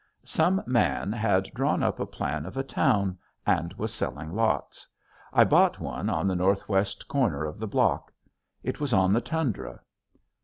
"Some man had drawn up a plan of a town and was selling lots. I bought one on the northwest corner of the block. It was on the tundra.